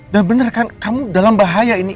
bener kan kamu dalam bahaya ini